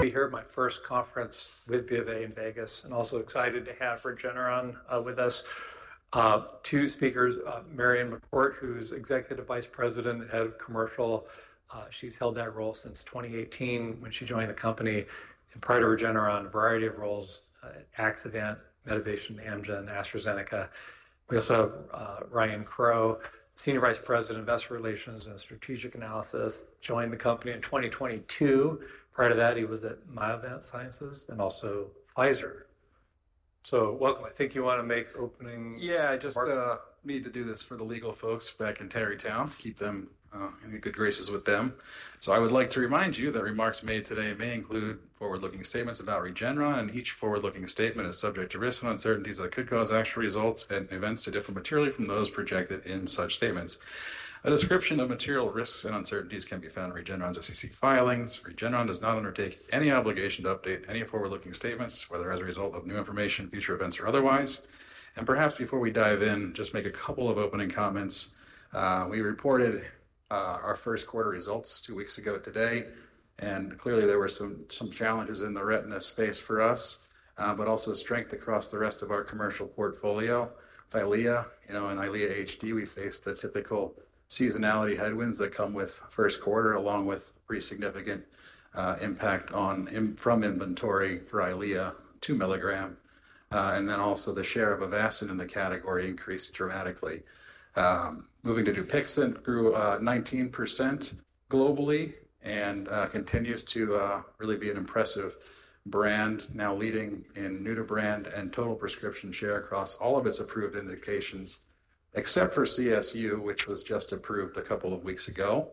We heard my first conference with BofA in Vegas, and also excited to have Regeneron with us. Two speakers, Marion McCourt, who's Executive Vice President, Head of Commercial. She's held that role since 2018 when she joined the company, and prior to Regeneron, a variety of roles: Axovant, Medivation, Amgen, AstraZeneca. We also have Ryan Crowe, Senior Vice President, Investor Relations and Strategic Analysis, joined the company in 2022. Prior to that, he was at Myovant Sciences and also Pfizer. So, welcome. I think you want to make opening. Yeah, I just need to do this for the legal folks back in Tarrytown, keep them in good graces with them. I would like to remind you that remarks made today may include forward-looking statements about Regeneron, and each forward-looking statement is subject to risks and uncertainties that could cause actual results and events to differ materially from those projected in such statements. A description of material risks and uncertainties can be found in Regeneron's SEC filings. Regeneron does not undertake any obligation to update any forward-looking statements, whether as a result of new information, future events, or otherwise. Perhaps before we dive in, just make a couple of opening comments. We reported our first quarter results two weeks ago today, and clearly there were some challenges in the retina space for us, but also strength across the rest of our commercial portfolio. EYLEA, you know, and EYLEA HD, we faced the typical seasonality headwinds that come with first quarter, along with pretty significant impact from inventory for EYLEA 2 mg, and then also the share of Avastin in the category increased dramatically. Moving to Dupixent, grew 19% globally and continues to really be an impressive brand, now leading in new-to-brand and total prescription share across all of its approved indications, except for CSU, which was just approved a couple of weeks ago.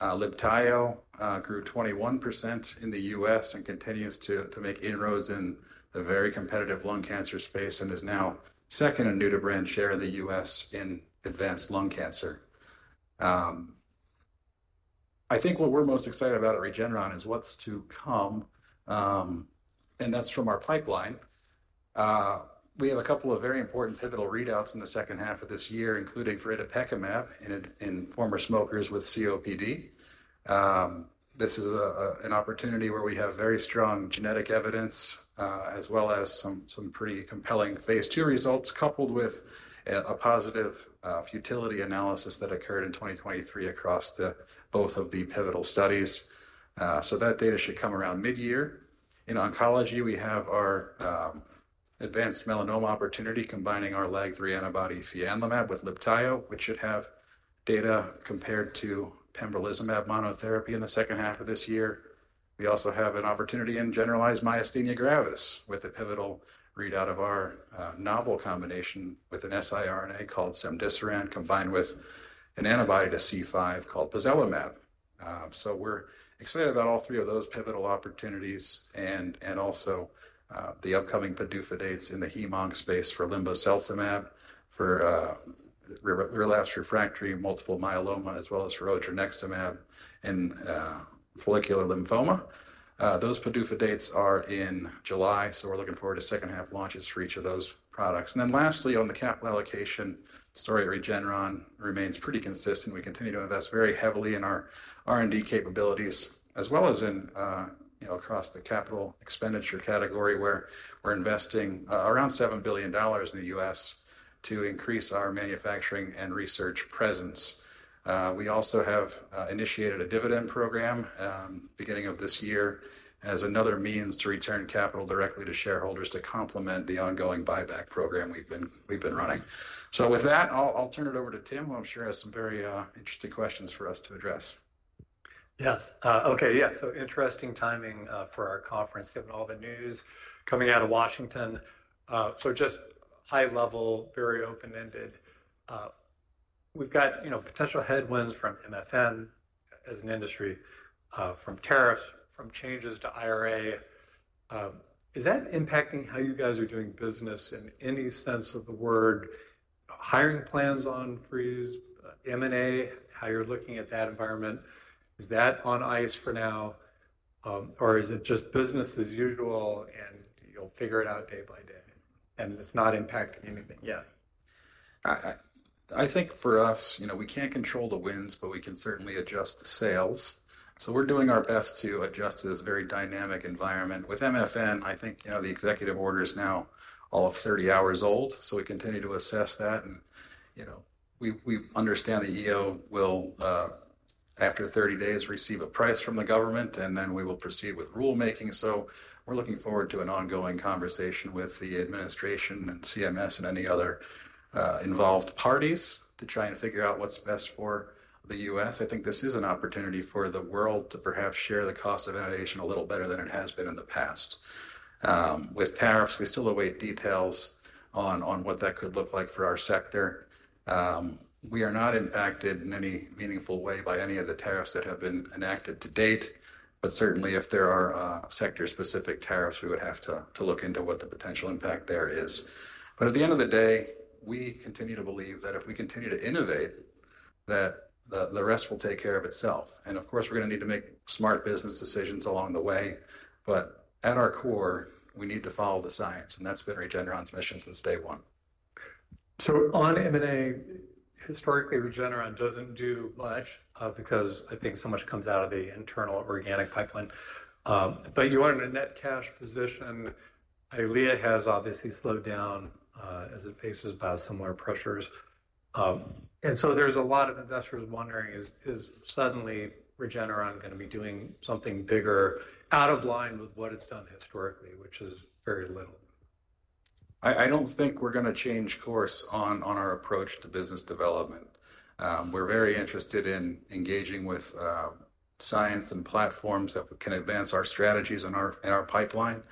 Libtayo grew 21% in the U.S. and continues to make inroads in the very competitive lung cancer space and is now second in new-to-brand share in the U.S. in advanced lung cancer. I think what we're most excited about at Regeneron is what's to come, and that's from our pipeline. We have a couple of very important pivotal readouts in the second half of this year, including for itepekimab in former smokers with COPD. This is an opportunity where we have very strong genetic evidence, as well as some pretty compelling phase two results, coupled with a positive futility analysis that occurred in 2023 across both of the pivotal studies. That data should come around mid-year. In oncology, we have our advanced melanoma opportunity, combining our LAG-3 antibody fianlimab with Libtayo, which should have data compared to pembrolizumab monotherapy in the second half of this year. We also have an opportunity in generalized myasthenia gravis with a pivotal readout of our novel combination with an siRNA called cemdisiran, combined with an antibody to C5 called pozelimab. We're excited about all three of those pivotal opportunities and also the upcoming PDUFA dates in the hem-onc space for linvoseltamab for relapsed refractory multiple myeloma, as well as for odronextamab in follicular lymphoma. Those PDUFA dates are in July, so we're looking forward to second half launches for each of those products. Lastly, on the capital allocation story, Regeneron remains pretty consistent. We continue to invest very heavily in our R&D capabilities, as well as in, you know, across the capital expenditure category, where we're investing around $7 billion in the U.S. to increase our manufacturing and research presence. We also have initiated a dividend program beginning of this year as another means to return capital directly to shareholders to complement the ongoing buyback program we've been running. With that, I'll turn it over to Tim, who I'm sure has some very interesting questions for us to address. Yes. Okay. Yeah. Interesting timing for our conference, given all the news coming out of Washington. Just high level, very open-ended. We've got, you know, potential headwinds from MFN as an industry, from tariffs, from changes to IRA. Is that impacting how you guys are doing business in any sense of the word? Hiring plans on freeze, M&A, how you're looking at that environment, is that on ice for now, or is it just business as usual and you'll figure it out day by day and it's not impacting anything yet? I think for us, you know, we can't control the winds, but we can certainly adjust the sails. So we're doing our best to adjust to this very dynamic environment. With MFN, I think, you know, the executive order is now all of 30 hours old, so we continue to assess that. And, you know, we understand the EO will, after 30 days, receive a price from the government, and then we will proceed with rulemaking. So we're looking forward to an ongoing conversation with the administration and CMS and any other involved parties to try and figure out what's best for the U.S. I think this is an opportunity for the world to perhaps share the cost of innovation a little better than it has been in the past. With tariffs, we still await details on what that could look like for our sector. We are not impacted in any meaningful way by any of the tariffs that have been enacted to date, but certainly if there are sector-specific tariffs, we would have to look into what the potential impact there is. At the end of the day, we continue to believe that if we continue to innovate, the rest will take care of itself. Of course, we're going to need to make smart business decisions along the way, but at our core, we need to follow the science, and that's been Regeneron's mission since day one. On M&A, historically, Regeneron doesn't do much because I think so much comes out of the internal organic pipeline. You are in a net cash position. EYLEA has obviously slowed down as it faces biosimilar pressures. There are a lot of investors wondering, is suddenly Regeneron going to be doing something bigger out of line with what it's done historically, which is very little? I don't think we're going to change course on our approach to business development. We're very interested in engaging with science and platforms that can advance our strategies in our pipeline.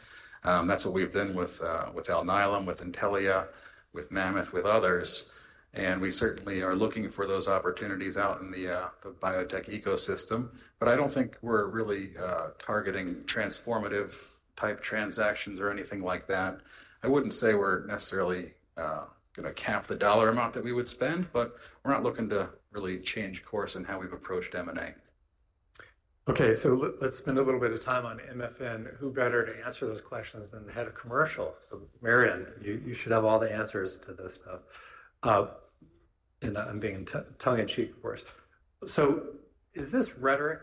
That's what we've done with Alnylam, with Intellia, with Mammoth, with others. We certainly are looking for those opportunities out in the biotech ecosystem. I don't think we're really targeting transformative type transactions or anything like that. I wouldn't say we're necessarily going to cap the dollar amount that we would spend, but we're not looking to really change course in how we've approached M&A. Okay. So let's spend a little bit of time on MFN. Who better to answer those questions than the Head of Commercial? So Marion, you should have all the answers to this stuff. And I'm being tongue-in-cheek, of course. So is this rhetoric?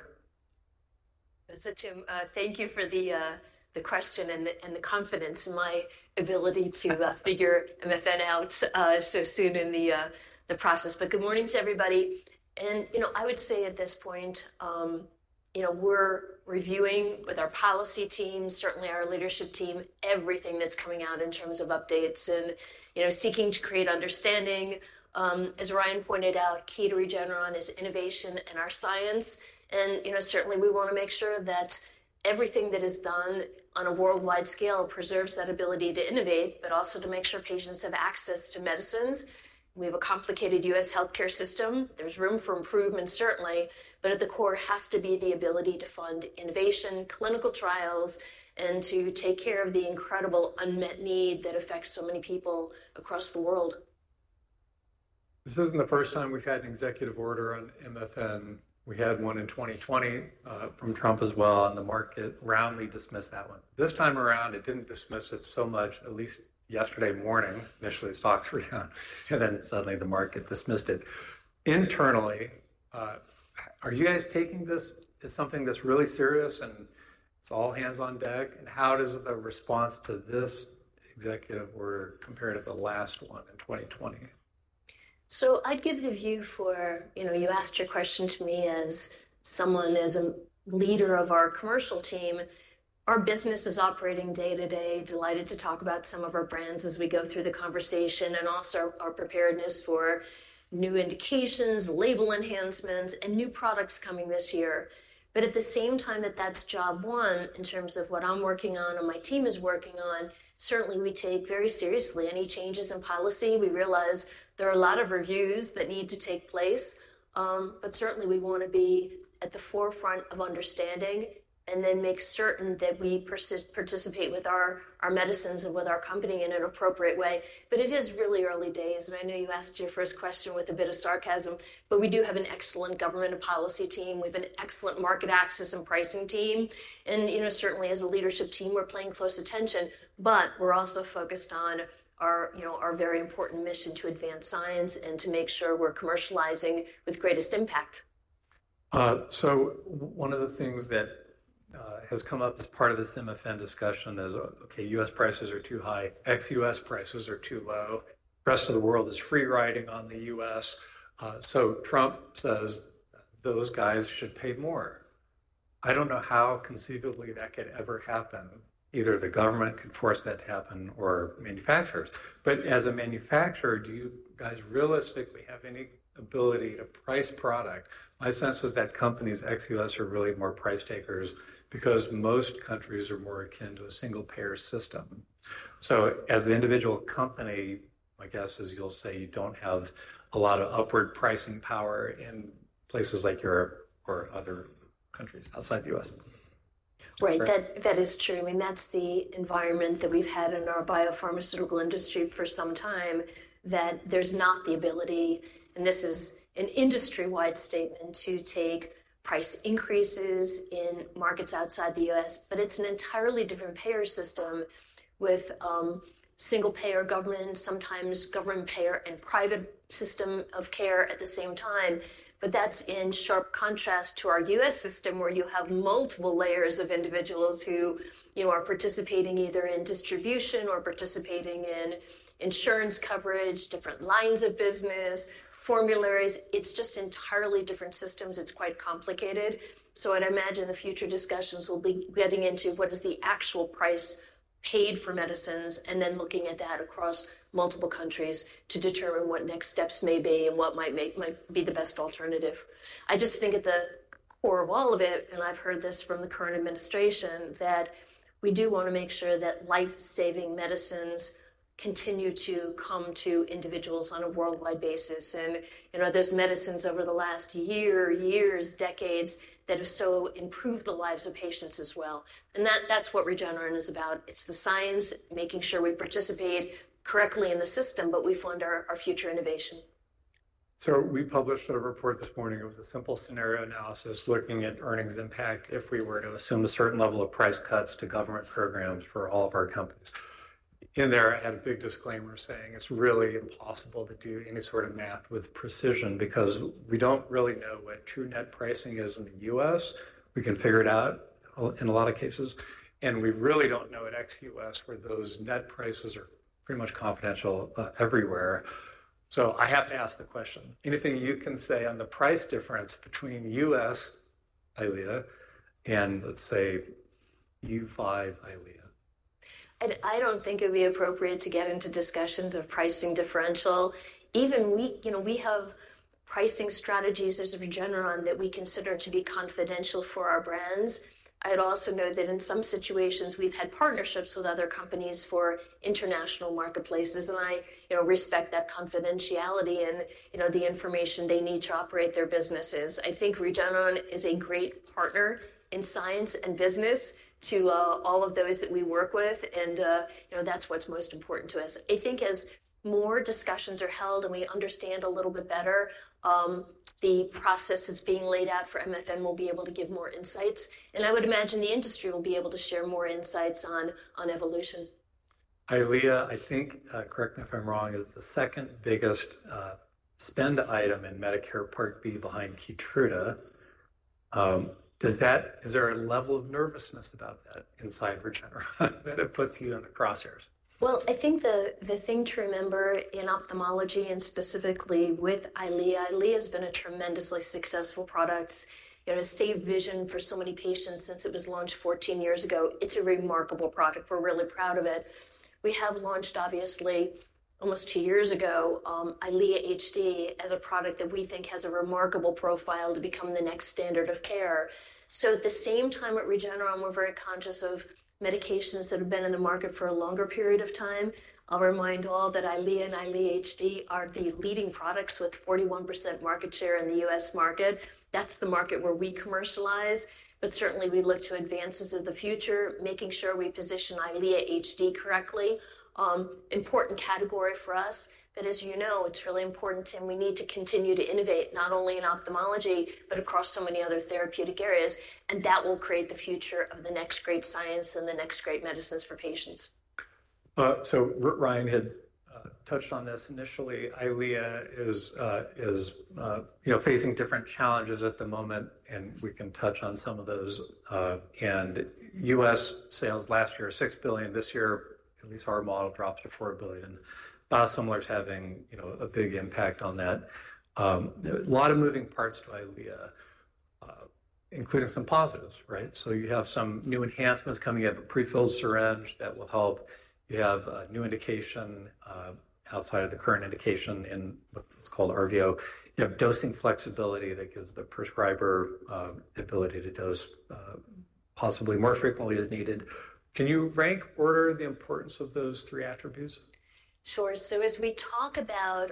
This is Tim. Thank you for the question and the confidence in my ability to figure MFN out so soon in the process. Good morning to everybody. You know, I would say at this point, you know, we're reviewing with our policy team, certainly our leadership team, everything that's coming out in terms of updates and, you know, seeking to create understanding. As Ryan pointed out, key to Regeneron is innovation and our science. You know, certainly we want to make sure that everything that is done on a worldwide scale preserves that ability to innovate, but also to make sure patients have access to medicines. We have a complicated U.S. healthcare system. There's room for improvement, certainly, but at the core has to be the ability to fund innovation, clinical trials, and to take care of the incredible unmet need that affects so many people across the world. This isn't the first time we've had an executive order on MFN. We had one in 2020 from Trump as well, and the market roundly dismissed that one. This time around, it didn't dismiss it so much, at least yesterday morning. Initially, stocks were down, and then suddenly the market dismissed it. Internally, are you guys taking this as something that's really serious and it's all hands on deck? How does the response to this executive order compare to the last one in 2020? I'd give the view for, you know, you asked your question to me as someone as a leader of our Commercial Team. Our business is operating day to day, delighted to talk about some of our brands as we go through the conversation and also our preparedness for new indications, label enhancements, and new products coming this year. At the same time, that's job one in terms of what I'm working on and my team is working on. Certainly we take very seriously any changes in policy. We realize there are a lot of reviews that need to take place, but certainly we want to be at the forefront of understanding and then make certain that we participate with our medicines and with our company in an appropriate way. It is really early days, and I know you asked your first question with a bit of sarcasm, but we do have an excellent Government and Policy Team. We have an excellent Market Access and Pricing Team. You know, certainly as a leadership team, we're paying close attention, but we're also focused on our, you know, our very important mission to advance science and to make sure we're commercializing with greatest impact. One of the things that has come up as part of this MFN discussion is, okay, U.S. prices are too high, ex-U.S. prices are too low, the rest of the world is freeriding on the U.S. Trump says those guys should pay more. I don't know how conceivably that could ever happen. Either the government could force that to happen or manufacturers. As a manufacturer, do you guys realistically have any ability to price product? My sense is that companies ex-U.S. are really more price takers because most countries are more akin to a single payer system. As the individual company, my guess is you'll say you don't have a lot of upward pricing power in places like Europe or other countries outside the U.S. Right. That is true. I mean, that's the environment that we've had in our biopharmaceutical industry for some time, that there's not the ability, and this is an industry-wide statement, to take price increases in markets outside the U.S., but it's an entirely different payer system with single payer government, sometimes government payer and private system of care at the same time. That's in sharp contrast to our U.S. system where you have multiple layers of individuals who, you know, are participating either in distribution or participating in insurance coverage, different lines of business, formularies. It's just entirely different systems. It's quite complicated. I'd imagine the future discussions will be getting into what is the actual price paid for medicines and then looking at that across multiple countries to determine what next steps may be and what might be the best alternative. I just think at the core of all of it, and I've heard this from the current administration, that we do want to make sure that life-saving medicines continue to come to individuals on a worldwide basis. You know, there's medicines over the last year, years, decades that have so improved the lives of patients as well. That's what Regeneron is about. It's the science, making sure we participate correctly in the system, but we fund our future innovation. We published a report this morning. It was a simple scenario analysis looking at earnings impact if we were to assume a certain level of price cuts to government programs for all of our companies. In there, I had a big disclaimer saying it is really impossible to do any sort of math with precision because we do not really know what true net pricing is in the U.S. We can figure it out in a lot of cases. We really do not know at ex-U.S. where those net prices are pretty much confidential everywhere. I have to ask the question. Anything you can say on the price difference between U.S. EYLEA and let's say U5 EYLEA? I don't think it would be appropriate to get into discussions of pricing differential. Even we, you know, we have pricing strategies as Regeneron that we consider to be confidential for our brands. I'd also note that in some situations we've had partnerships with other companies for international marketplaces, and I, you know, respect that confidentiality and, you know, the information they need to operate their businesses. I think Regeneron is a great partner in science and business to all of those that we work with, and, you know, that's what's most important to us. I think as more discussions are held and we understand a little bit better, the process that's being laid out for MFN will be able to give more insights. I would imagine the industry will be able to share more insights on evolution. EYLEA, I think, correct me if I'm wrong, is the second biggest spend item in Medicare Part B behind Keytruda. Is there a level of nervousness about that inside Regeneron that it puts you in the crosshairs? I think the thing to remember in ophthalmology and specifically with EYLEA, EYLEA has been a tremendously successful product. You know, it has saved vision for so many patients since it was launched 14 years ago. It's a remarkable product. We're really proud of it. We have launched, obviously, almost two years ago, EYLEA HD as a product that we think has a remarkable profile to become the next standard of care. At the same time at Regeneron, we're very conscious of medications that have been in the market for a longer period of time. I'll remind all that EYLEA and EYLEA HD are the leading products with 41% market share in the U.S. market. That's the market where we commercialize. Certainly we look to advances of the future, making sure we position EYLEA HD correctly. Important category for us. As you know, it's really important, Tim, we need to continue to innovate not only in ophthalmology, but across so many other therapeutic areas. That will create the future of the next great science and the next great medicines for patients. Ryan had touched on this initially. EYLEA is, you know, facing different challenges at the moment, and we can touch on some of those. U.S. sales last year are $6 billion. This year, at least our model drops to $4 billion. Biosimilars having, you know, a big impact on that. A lot of moving parts to EYLEA, including some positives, right? You have some new enhancements coming. You have a prefilled syringe that will help. You have a new indication outside of the current indication in what is called RVO. You have dosing flexibility that gives the prescriber the ability to dose possibly more frequently as needed. Can you rank order the importance of those three attributes? Sure. As we talk about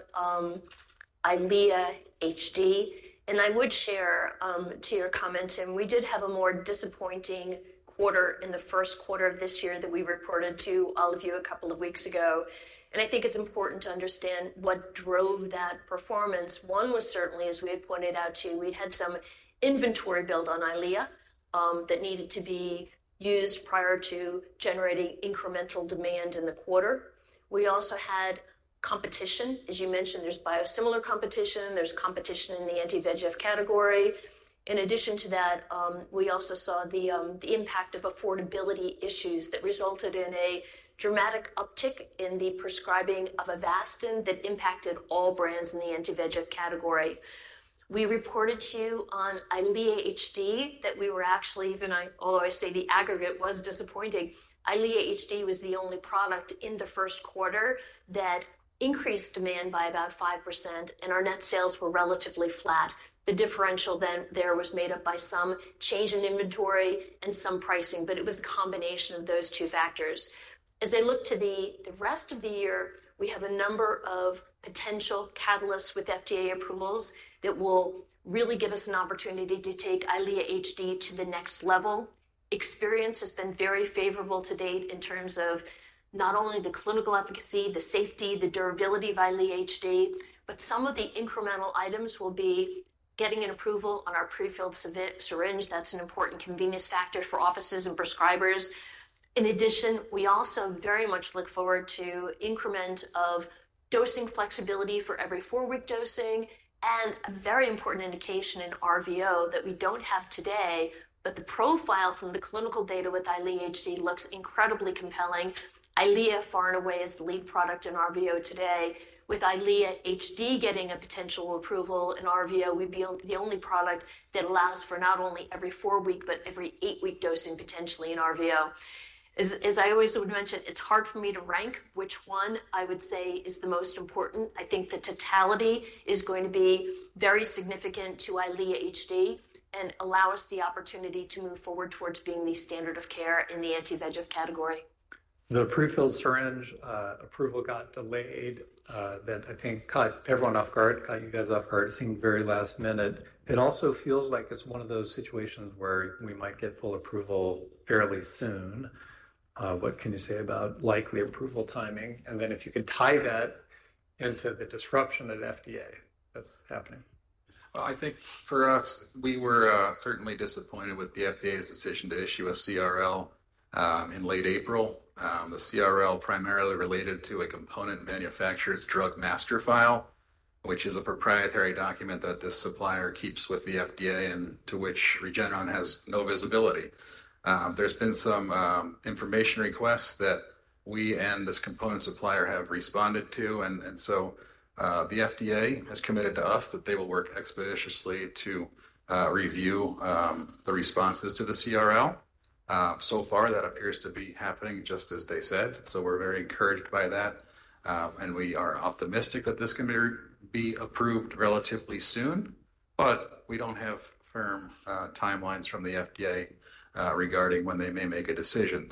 EYLEA HD, and I would share to your comment, Tim, we did have a more disappointing quarter in the first quarter of this year that we reported to all of you a couple of weeks ago. I think it's important to understand what drove that performance. One was certainly, as we had pointed out to you, we'd had some inventory build on EYLEA that needed to be used prior to generating incremental demand in the quarter. We also had competition. As you mentioned, there's biosimilar competition. There's competition in the anti-VEGF category. In addition to that, we also saw the impact of affordability issues that resulted in a dramatic uptick in the prescribing of Avastin that impacted all brands in the anti-VEGF category. We reported to you on EYLEA HD that we were actually, even although I say the aggregate was disappointing, EYLEA HD was the only product in the first quarter that increased demand by about 5%, and our net sales were relatively flat. The differential then there was made up by some change in inventory and some pricing, but it was the combination of those two factors. As I look to the rest of the year, we have a number of potential catalysts with FDA approvals that will really give us an opportunity to take EYLEA HD to the next level. Experience has been very favorable to date in terms of not only the clinical efficacy, the safety, the durability of EYLEA HD, but some of the incremental items will be getting an approval on our prefilled syringe. That's an important convenience factor for offices and prescribers. In addition, we also very much look forward to increment of dosing flexibility for every four-week dosing and a very important indication in RVO that we do not have today, but the profile from the clinical data with EYLEA HD looks incredibly compelling. EYLEA far and away is the lead product in RVO today. With EYLEA HD getting a potential approval in RVO, we would be the only product that allows for not only every four-week, but every eight-week dosing potentially in RVO. As I always would mention, it is hard for me to rank which one I would say is the most important. I think the totality is going to be very significant to EYLEA HD and allow us the opportunity to move forward towards being the standard of care in the anti-VEGF category. The prefilled syringe approval got delayed that I think caught everyone off guard, got you guys off guard. It seemed very last minute. It also feels like it's one of those situations where we might get full approval fairly soon. What can you say about likely approval timing? If you could tie that into the disruption at FDA that's happening. I think for us, we were certainly disappointed with the FDA's decision to issue a CRL in late April. The CRL primarily related to a component manufacturer's drug master file, which is a proprietary document that this supplier keeps with the FDA and to which Regeneron has no visibility. There's been some information requests that we and this component supplier have responded to. The FDA has committed to us that they will work expeditiously to review the responses to the CRL. So far, that appears to be happening just as they said. We're very encouraged by that. We are optimistic that this can be approved relatively soon, but we don't have firm timelines from the FDA regarding when they may make a decision.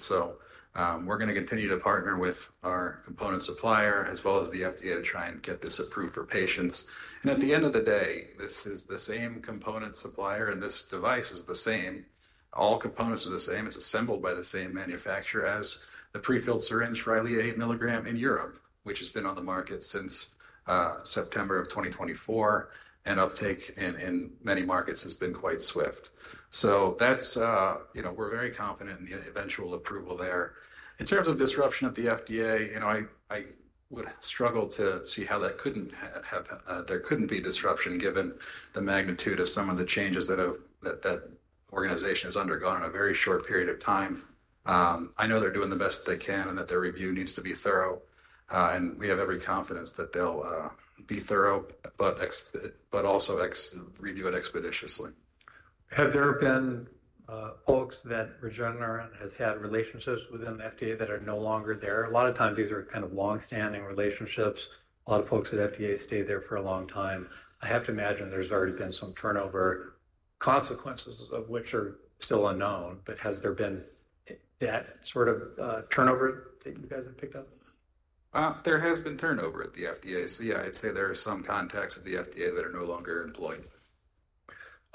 We're going to continue to partner with our component supplier as well as the FDA to try and get this approved for patients. At the end of the day, this is the same component supplier and this device is the same. All components are the same. It's assembled by the same manufacturer as the prefilled syringe for EYLEA 8 mg in Europe, which has been on the market since September of 2024. Uptake in many markets has been quite swift. We're very confident in the eventual approval there. In terms of disruption at the FDA, I would struggle to see how that couldn't have, there couldn't be disruption given the magnitude of some of the changes that organization has undergone in a very short period of time. I know they're doing the best they can and that their review needs to be thorough. We have every confidence that they'll be thorough, but also review it expeditiously. Have there been folks that Regeneron has had relationships with in the FDA that are no longer there? A lot of times these are kind of longstanding relationships. A lot of folks at FDA stay there for a long time. I have to imagine there's already been some turnover, consequences of which are still unknown. Has there been that sort of turnover that you guys have picked up? There has been turnover at the FDA. Yeah, I'd say there are some contacts at the FDA that are no longer employed.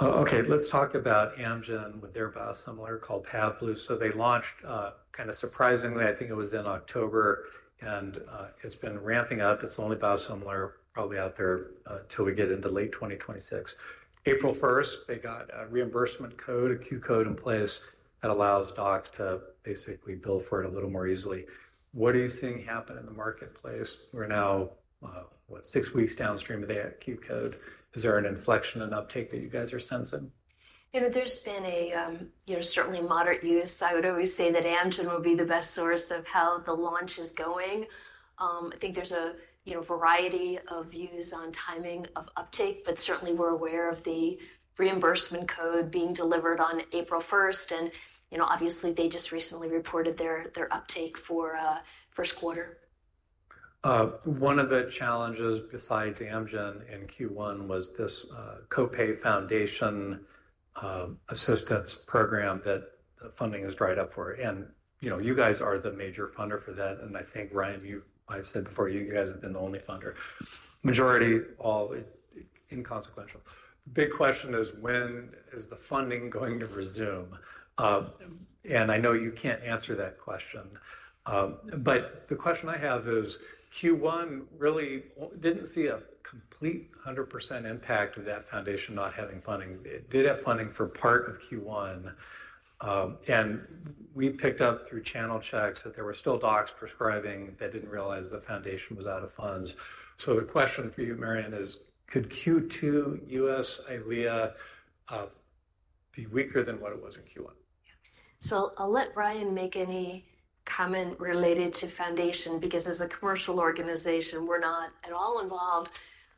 Okay. Let's talk about Amgen with their biosimilar called PAVBLU. So they launched kind of surprisingly, I think it was in October, and it's been ramping up. It's the only biosimilar probably out there till we get into late 2026. April 1st, they got a reimbursement code, a Q-code in place that allows docs to basically bill for it a little more easily. What are you seeing happen in the marketplace? We're now, what, six weeks downstream of that Q-code. Is there an inflection and uptake that you guys are sensing? You know, there's been a, you know, certainly moderate use. I would always say that Amgen will be the best source of how the launch is going. I think there's a, you know, variety of views on timing of uptake, but certainly we're aware of the reimbursement code being delivered on April 1st. You know, obviously they just recently reported their uptake for first quarter. One of the challenges besides Amgen in Q1 was this copay foundation assistance program that the funding has dried up for. You know, you guys are the major funder for that. I think, Ryan, you, I've said before, you guys have been the only funder. Majority all inconsequential. Big question is when is the funding going to resume? I know you can't answer that question. The question I have is Q1 really didn't see a complete 100% impact of that foundation not having funding. It did have funding for part of Q1. We picked up through channel checks that there were still docs prescribing that didn't realize the foundation was out of funds. The question for you, Marion, is could Q2 U.S. EYLEA be weaker than what it was in Q1? I'll let Ryan make any comment related to foundation because as a commercial organization, we're not at all involved.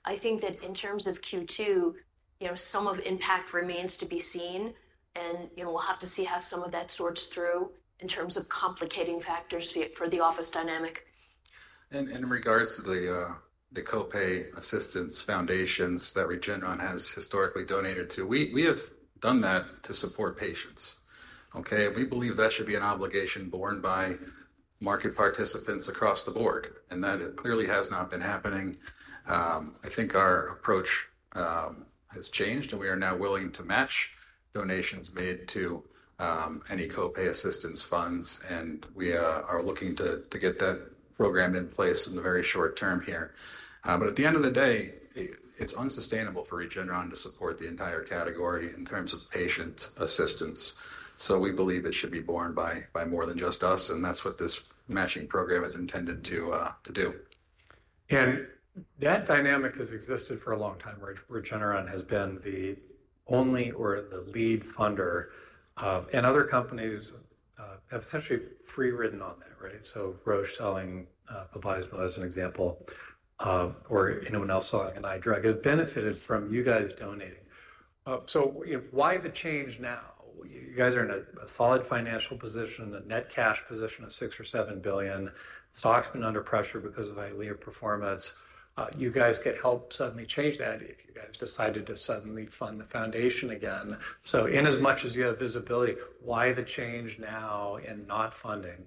I think that in terms of Q2, you know, some of impact remains to be seen. And, you know, we'll have to see how some of that sorts through in terms of complicating factors for the office dynamic. In regards to the copay assistance foundations that Regeneron has historically donated to, we have done that to support patients. Okay? We believe that should be an obligation borne by market participants across the board. That clearly has not been happening. I think our approach has changed and we are now willing to match donations made to any copay assistance funds. We are looking to get that program in place in the very short term here. At the end of the day, it is unsustainable for Regeneron to support the entire category in terms of patient assistance. We believe it should be borne by more than just us. That is what this matching program is intended to do. That dynamic has existed for a long time. Regeneron has been the only or the lead funder. Other companies have essentially free ridden on that, right? Roche selling Avastin as an example, or anyone else selling an eye drug has benefited from you guys donating. Why the change now? You guys are in a solid financial position, a net cash position of $6 billion or $7 billion. Stock's been under pressure because of EYLEA performance. You guys could help suddenly change that if you guys decided to suddenly fund the foundation again. In as much as you have visibility, why the change now in not funding?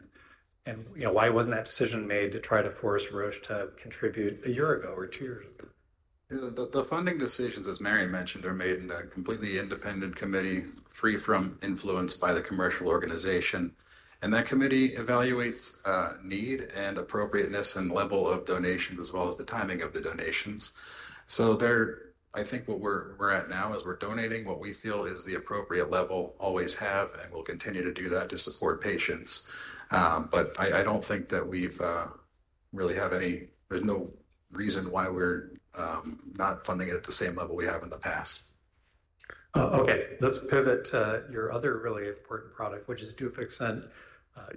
And, you know, why was not that decision made to try to force Roche to contribute a year ago or two years ago? The funding decisions, as Marion mentioned, are made in a completely independent committee, free from influence by the commercial organization. That committee evaluates need and appropriateness and level of donations, as well as the timing of the donations. I think what we're at now is we're donating what we feel is the appropriate level, always have and will continue to do that to support patients. I don't think that we really have any, there's no reason why we're not funding it at the same level we have in the past. Okay. Let's pivot to your other really important product, which is Dupixent.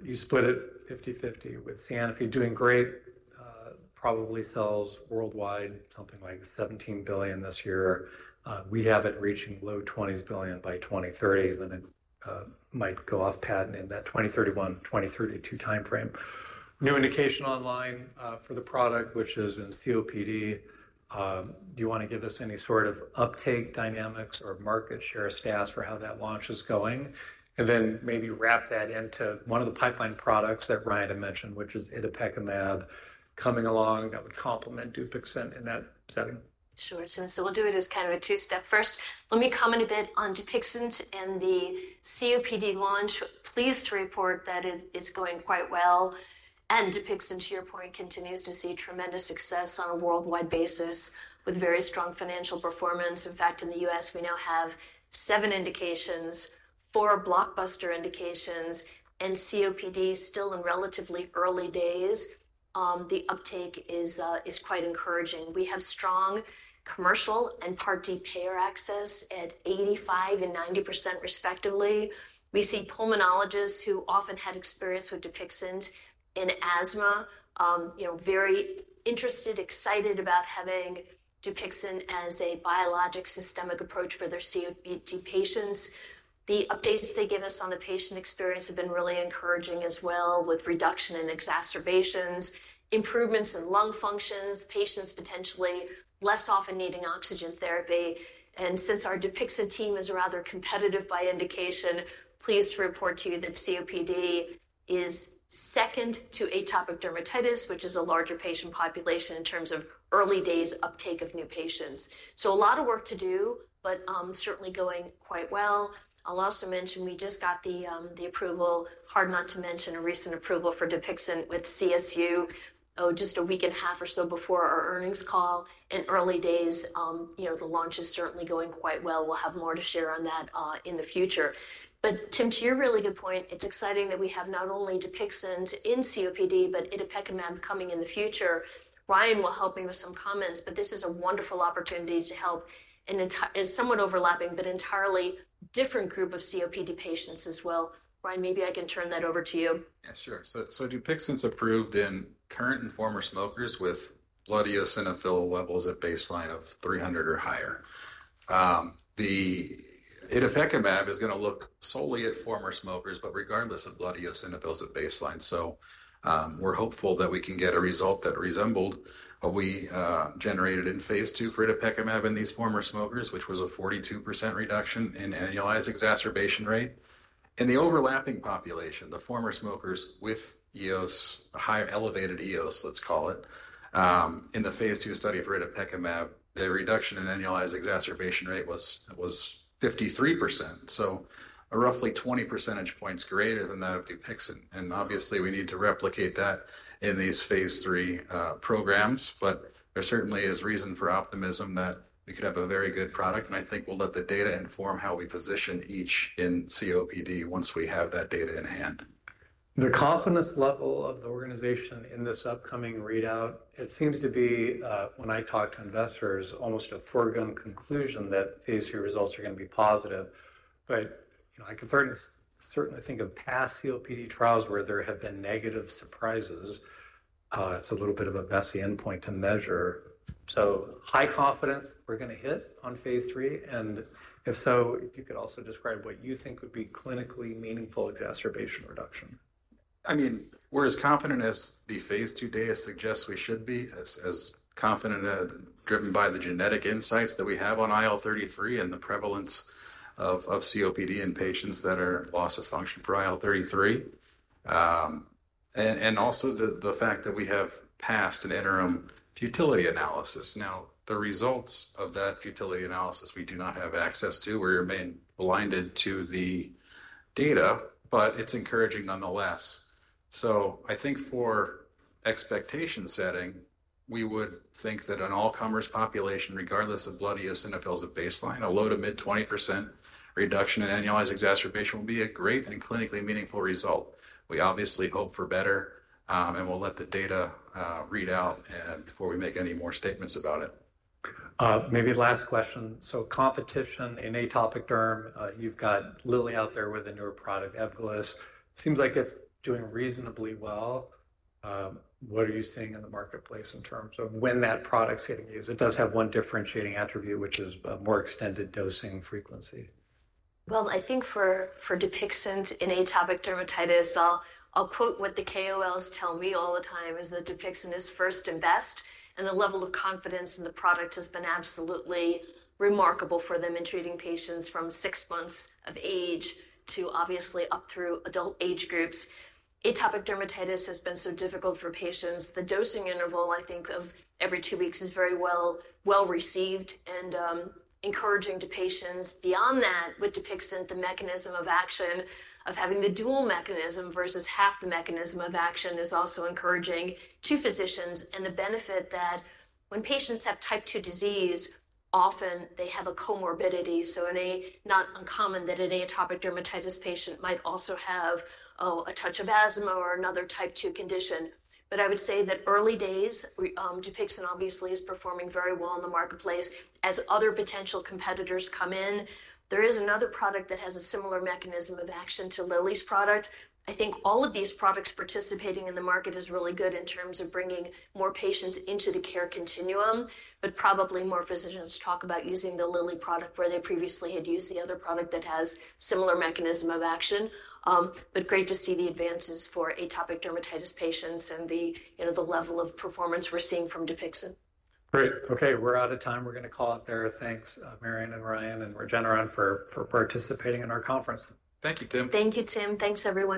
You split it 50/50 with Sanofi doing great, probably sells worldwide something like $17 billion this year. We have it reaching low $20 billion by 2030, then it might go off patent in that 2031, 2032 timeframe. New indication online for the product, which is in COPD. Do you want to give us any sort of uptake dynamics or market share stats for how that launch is going? And then maybe wrap that into one of the pipeline products that Ryan had mentioned, which is itepekimab coming along that would complement Dupixent in that setting. Sure. We'll do it as kind of a two-step. First, let me comment a bit on Dupixent and the COPD launch. Pleased to report that it's going quite well. Dupixent, to your point, continues to see tremendous success on a worldwide basis with very strong financial performance. In fact, in the U.S., we now have seven indications, four blockbuster indications, and COPD still in relatively early days. The uptake is quite encouraging. We have strong commercial and Part D payer access at 85% and 90% respectively. We see pulmonologists who often had experience with Dupixent in asthma, you know, very interested, excited about having Dupixent as a biologic systemic approach for their COPD patients. The updates they give us on the patient experience have been really encouraging as well, with reduction in exacerbations, improvements in lung functions, patients potentially less often needing oxygen therapy. Since our Dupixent team is rather competitive by indication, pleased to report to you that COPD is second to atopic dermatitis, which is a larger patient population in terms of early days uptake of new patients. A lot of work to do, but certainly going quite well. I will also mention we just got the approval, hard not to mention a recent approval for Dupixent with CSU, oh, just a week and a half or so before our earnings call. In early days, you know, the launch is certainly going quite well. We will have more to share on that in the future. Tim, to your really good point, it is exciting that we have not only Dupixent in COPD, but itepekimab coming in the future. Ryan will help me with some comments, but this is a wonderful opportunity to help an entirely somewhat overlapping, but entirely different group of COPD patients as well. Ryan, maybe I can turn that over to you. Yeah, sure. Dupixent's approved in current and former smokers with blood eosinophil levels at baseline of 300 or higher. The itepekimab is going to look solely at former smokers, but regardless of blood eosinophils at baseline. We're hopeful that we can get a result that resembled what we generated in phase two for itepekimab in these former smokers, which was a 42% reduction in annualized exacerbation rate. In the overlapping population, the former smokers with eos, a higher elevated eos, let's call it, in the phase two study for itepekimab, the reduction in annualized exacerbation rate was 53%. Roughly 20 percentage points greater than that of Dupixent. Obviously, we need to replicate that in these phase three programs. There certainly is reason for optimism that we could have a very good product. I think we'll let the data inform how we position each in COPD once we have that data in hand. The confidence level of the organization in this upcoming readout, it seems to be, when I talk to investors, almost a foregone conclusion that phase three results are going to be positive. You know, I can certainly think of past COPD trials where there have been negative surprises. It's a little bit of a messy endpoint to measure. High confidence we're going to hit on phase three. If so, if you could also describe what you think would be clinically meaningful exacerbation reduction. I mean, we're as confident as the phase II data suggests we should be, as confident driven by the genetic insights that we have on IL-33 and the prevalence of COPD in patients that are loss of function for IL-33. Also the fact that we have passed an interim futility analysis. Now, the results of that futility analysis, we do not have access to. We remain blinded to the data, but it's encouraging nonetheless. I think for expectation setting, we would think that an all-comers population, regardless of blood eosinophils at baseline, a low to mid 20% reduction in annualized exacerbation will be a great and clinically meaningful result. We obviously hope for better, and we'll let the data read out before we make any more statements about it. Maybe last question. Competition in atopic derm, you've got Lilly out there with a newer product, Ebglyss. Seems like it's doing reasonably well. What are you seeing in the marketplace in terms of when that product's getting used? It does have one differentiating attribute, which is more extended dosing frequency. I think for Dupixent in atopic dermatitis, I'll quote what the KOLs tell me all the time is that Dupixent is first and best. The level of confidence in the product has been absolutely remarkable for them in treating patients from six months of age to obviously up through adult age groups. Atopic dermatitis has been so difficult for patients. The dosing interval, I think, of every two weeks is very well received and encouraging to patients. Beyond that, with Dupixent, the mechanism of action of having the dual mechanism versus half the mechanism of action is also encouraging to physicians. The benefit that when patients have type two disease, often they have a comorbidity. It is not uncommon that an atopic dermatitis patient might also have a touch of asthma or another type two condition. I would say that early days, Dupixent obviously is performing very well in the marketplace as other potential competitors come in. There is another product that has a similar mechanism of action to Lilly's product. I think all of these products participating in the market is really good in terms of bringing more patients into the care continuum. Probably more physicians talk about using the Lilly product where they previously had used the other product that has similar mechanism of action. Great to see the advances for atopic dermatitis patients and the, you know, the level of performance we're seeing from Dupixent. Great. Okay. We're out of time. We're going to call it there. Thanks, Marion and Ryan and Regeneron for participating in our conference. Thank you, Tim. Thank you, Tim. Thanks, everyone.